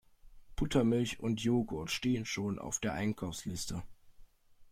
Buttermilch und Jogurt stehen schon auf der Einkaufsliste.